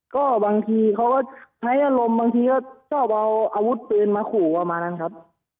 ก็บางทีเขาก็ใช้อารมณ์บางทีก็ชอบเอาอาวุธปืนมาขู่ประมาณนั้นครับ